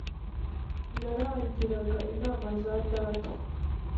naragiraga intama za data